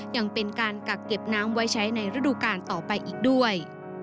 ยังเป็นการกักเก็บน้ำไว้ใช้ในฤดูกาลต่อไปอีกด้วย